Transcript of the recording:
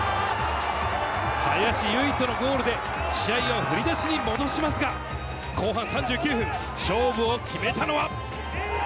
林結人のゴールで試合を振り出しに戻しますが、後半３９分、勝負を決めたのは。